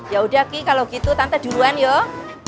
yaudah kiki kalau gitu tante duluan yuk